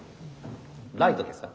ライトですか？